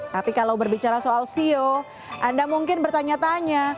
tapi kalau berbicara soal sio anda mungkin bertanya tanya